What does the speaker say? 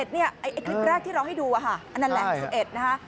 คลิปแรกที่เราให้ดูอันนั้นแหละ๑๑นะคะ